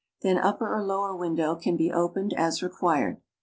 Then upper or lower win dow can be opened as required.